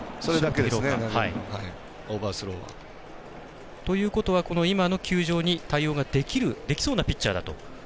オーバースローは。ということは今の球場に対応ができそうなピッチャーだと。